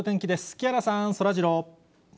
木原さん、そらジロー。